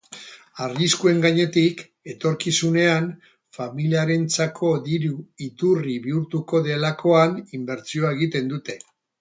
Arriskuen gainetik, etorkizunean, familiarentzako diru iturri bihurtuko delakoan inbertsioa egiten dute.